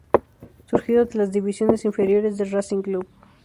Surgido de las divisiones inferiores de Racing Club.